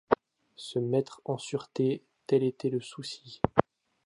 Se mettre en sûreté, tel était le souci.